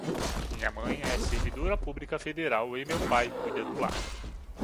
Minha mãe é servidora pública federal e meu pai cuida do lar